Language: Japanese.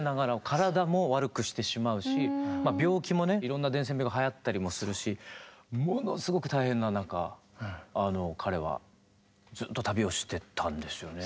体も悪くしてしまうし病気もねいろんな伝染病がはやったりもするしものすごく大変な中彼はずっと旅をしてたんですよね。